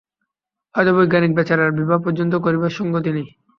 হয়তো বৈজ্ঞানিক বেচারার বিবাহ পর্যন্ত করিবার সঙ্গতি নাই।